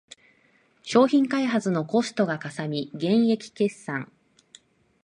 商品開発のコストがかさみ減益決算